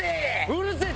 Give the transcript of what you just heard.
「うるせえ！」